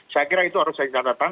saya kira itu harus saya cita catatan